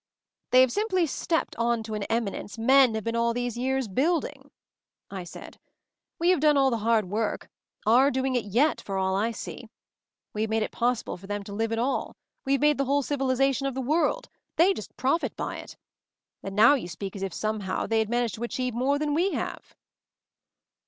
"They have simply stepped on to an eminence men have been all these years building," I said. "We have done all the hard work — are doing it yet, for all I see. We have made it possible for them to live at all! We have made the whole civiliza tion of the world — they just profit by it. And now you speak as if, somehow, they had managed to achieve more than we have